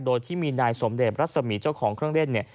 โดยที่มีนายสมเดชรัศมีเจ้าของเครื่องเล่นเนี่ย